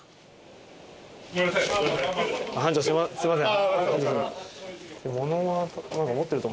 班長すいません。